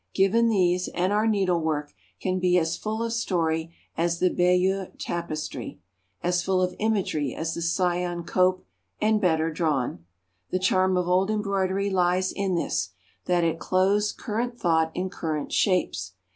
Given these, and our needlework can be as full of story as the Bayeux tapestry, as full of imagery as the Syon Cope, and better drawn. The charm of old embroidery lies in this, that it clothes current thought in current shapes.